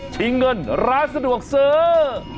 ชิงเงินร้านสะดวกซื้อ